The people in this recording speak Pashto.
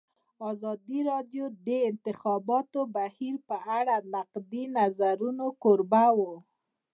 ازادي راډیو د د انتخاباتو بهیر په اړه د نقدي نظرونو کوربه وه.